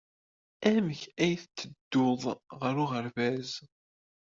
Amek ay tetteddud ɣer uɣerbaz?